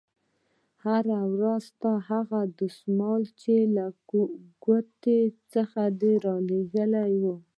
هره ورځ ستا هغه دسمال چې له کوټې څخه دې رالېږلى و.